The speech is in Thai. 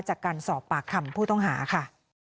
จากการสอบปากคำผู้ต้องหาค่ะ